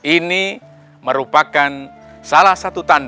ini merupakan salah satu tanda